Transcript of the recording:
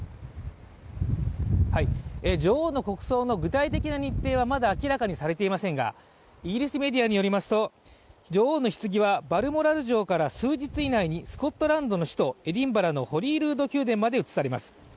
女王の国葬の具体的な日程は、まだ明らかにされていませんが、イギリスメディアによりますと女王のひつぎはバルモラル城から数日以内にスコットランドの首都エディンバラのホリールード宮殿まで移されます。